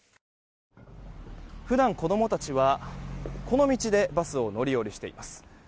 普段、子供たちはこの道でバスを乗り降りしています。